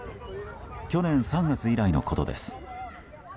去年３月以来のことです。